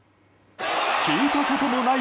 聞いたこともない